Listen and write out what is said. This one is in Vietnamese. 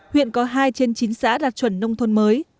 huyện có hai trên chín xã đạt chuẩn nông thôn mới